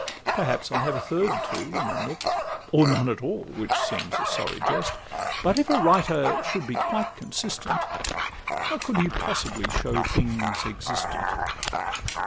Perhaps I have a third, too, in a nook, Or none at all—which seems a sorry jest: But if a writer should be quite consistent, How could he possibly show things existent?